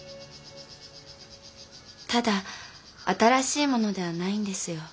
ただ新しいものではないんですよ。